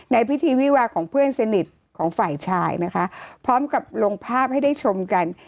ในพิธีวิวาของเพื่อนสนิทของฝ่ายชายนะคะพร้อมกับลงภาพให้ได้ชมกัน